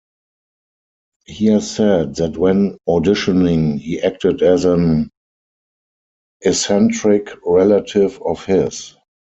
He has said that when auditioning he acted as an eccentric relative of his.